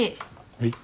はい。